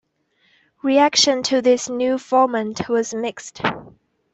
Reaction to this new format was mixed.